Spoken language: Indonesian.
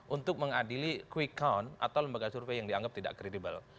untuk mengadili quick count atau lembaga survei yang dianggap tidak kredibel